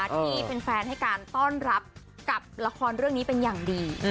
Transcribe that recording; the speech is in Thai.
ที่เป็นแฟนให้การต้อนรับกับละครเรื่องนี้เป็นอย่างดี